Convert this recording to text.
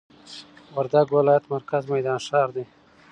وردګ ولايت مرکز میدان ښار دي